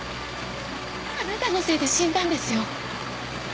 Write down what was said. あなたのせいで死んだんですよ